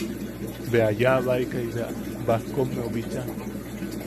Bea yaʼabaekai bea bajkommeu bicha.